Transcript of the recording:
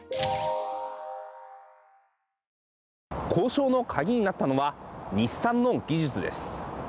交渉のカギになったのは日産の技術です。